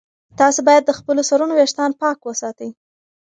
تاسي باید د خپلو سرونو ویښتان پاک وساتئ.